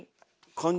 感じ